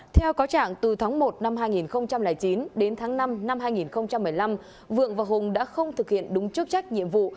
theo cáo trạng từ tháng một năm hai nghìn chín đến tháng năm năm hai nghìn một mươi năm vượng và hùng đã không thực hiện đúng chức trách nhiệm vụ